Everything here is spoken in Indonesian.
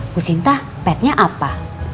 bu sinta patnya apa